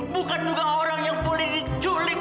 bukan juga orang yang boleh diculik